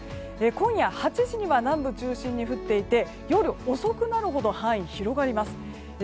今夜８時には南部中心に降っていて夜遅くなるほど範囲が広がります。